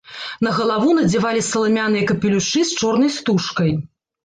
На галаву надзявалі саламяныя капелюшы з чорнай стужкай.